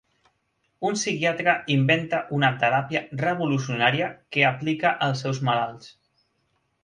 Un psiquiatre inventa una teràpia revolucionària que aplica als seus malalts.